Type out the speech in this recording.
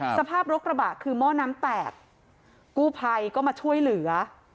สภาพรถกระบะคือหม้อน้ำแตกกู้ภัยก็มาช่วยเหลือ